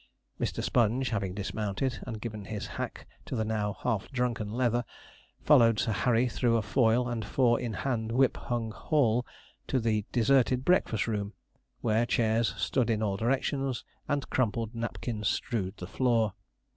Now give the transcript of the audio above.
Mr. Sponge having dismounted, and given his hack to the now half drunken Leather, followed Sir Harry through a foil and four in hand whip hung hall to the deserted breakfast room, where chairs stood in all directions, and crumpled napkins strewed the floor.